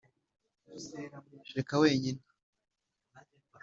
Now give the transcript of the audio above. reka wenyine